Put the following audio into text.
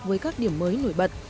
với các điểm mới nổi bật